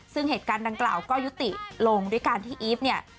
ซึ่งเหตุการณ์ดังกล่าวก็ยุติลงด้วยการที่อีฟเนี่ย